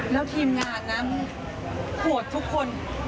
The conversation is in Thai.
แล้วทีมงานนั้นโหดทุกคน